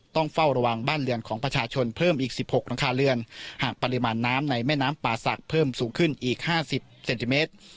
ต้องเฝ้าระวังบ้านเรือนของประชาชนเพิ่มอีก๑๖หลังคาเรือนหากปริมาณน้ำในแม่น้ำป่าศักดิ์เพิ่มสูงขึ้นอีกห้าสิบเซนติเมตร